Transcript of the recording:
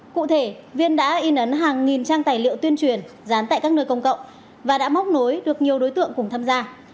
cụ thể viên đã in ấn hàng nghìn trang tài liệu tuyên truyền dán tại các nơi công cộng và đã móc nối được nhiều đối tượng cùng tham gia